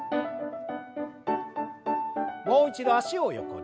もう一度脚を横に。